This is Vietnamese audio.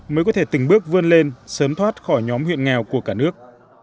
mới có thể từng bước vươn lên sớm thoát khỏi nhóm huyện nghèo của cả nước